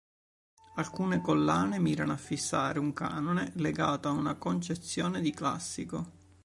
Alcune collane mirano a fissare un canone, legato a una concezione di classico.